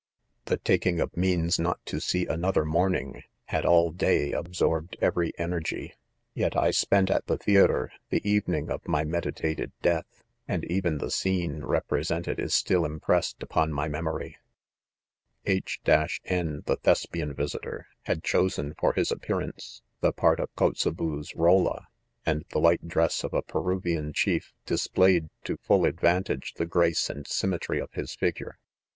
i Tha taking of means not to see .another morning, had all day, absorbed every energy., Yet I spent at" the theatre, the eve of my med itated death, and even the 'scene represented £§■ st Of impressed upon my^memof|^;p '■'* H •';' n, ; the ' Thesjpian visitor,; had cho sen for Ms appearance, the part of Kotsebue'^ Holla, and the light dress of a Peruvian chief displayed to full advantage the grace and sym metry of his figure.